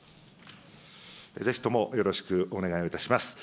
ぜひともよろしくお願いをいたします。